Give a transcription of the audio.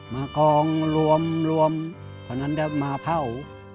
มากองรวมรวมตอนนั้นมาเผ่า